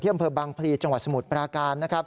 ที่อำเภอบางพลีจังหวัดสมุทรปราการ